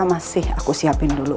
masih aku siapin dulu